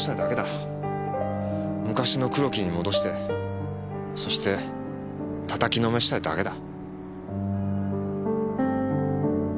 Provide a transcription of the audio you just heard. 昔の黒木に戻してそしてたたきのめしたいだけだ。